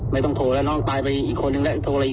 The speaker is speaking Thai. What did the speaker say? ไม่ต้องโทรแล้วน้องตายไปอีกคนนึงแล้วโทรอะไรอีก